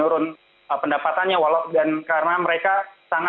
rp sepuluh juta penerima